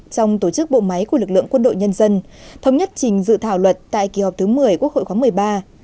trong tổ chức bộ máy của lực lượng quân đội nhân dân thống nhất trình dự thảo luật tại kỳ họp thứ một mươi quốc hội khoáng một mươi ba